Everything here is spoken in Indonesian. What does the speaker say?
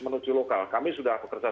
menuju lokal kami sudah bekerja